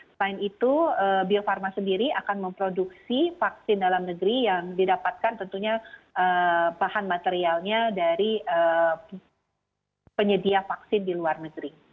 selain itu bio farma sendiri akan memproduksi vaksin dalam negeri yang didapatkan tentunya bahan materialnya dari penyedia vaksin di luar negeri